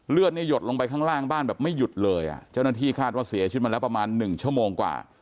เลือดเนี่ยหยดลงไปข้างล่างบ้านแบบไม่หยุดเลยอ่ะเจ้าหน้าที่คาดว่าเสียชีวิตมาแล้วประมาณ๑ชั่วโมงกว่า